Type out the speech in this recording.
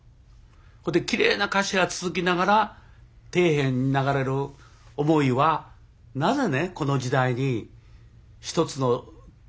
それできれいな歌詞が続きながら底辺に流れる思いはなぜねこの時代に１つの国がね２つにわかれてるんだって